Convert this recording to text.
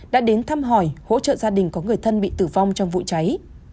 đã đến thăm hỏi hỗ trợ gia đình có người thân bị tử vong trong vụ cháy